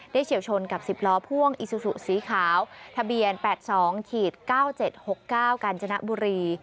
เฉียวชนกับ๑๐ล้อพ่วงอีซูซูสีขาวทะเบียน๘๒๙๗๖๙กาญจนบุรี